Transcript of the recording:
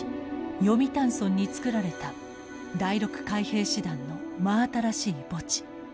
読谷村に造られた第６海兵師団の真新しい墓地。